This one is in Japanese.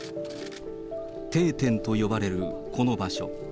定点と呼ばれるこの場所。